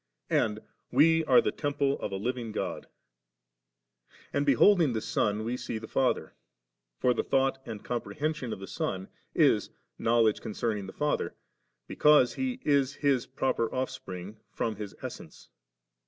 * and, * We are the temple of a living God ».' And beholding the Son, we see the Father ; for the thought » and compre hension of the Son, is knowledge concerning die Father, because He is His proper offspring from His essence.